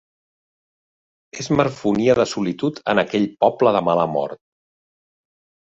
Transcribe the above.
Es marfonia de solitud en aquell poble de mala mort.